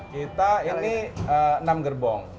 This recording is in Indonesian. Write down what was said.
kita ini enam gerbong